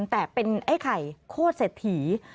แต่เป็นไอ้ไข่โคตรเศรษฐี